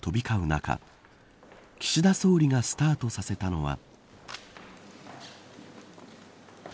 中岸田総理がスタートさせたのは。